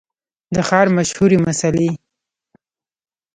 د ښار مشهورې مسلۍ